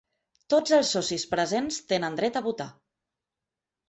Tots els socis presents tenen dret a votar.